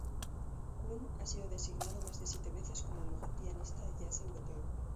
Kühn ha sido designado más de siete veces, como "mejor pianista de jazz europeo".